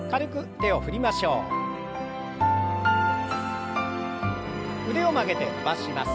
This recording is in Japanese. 腕を曲げて伸ばします。